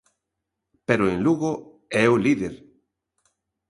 Pero en Lugo é o líder.